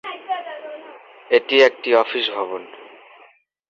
এটি একটি অফিস ভবন।